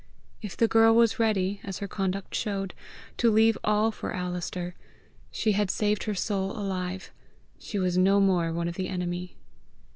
If the girl was ready, as her conduct showed, to leave all for Alister, she had saved her soul alive, she was no more one of the enemy!